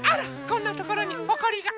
こんなところにほこりが。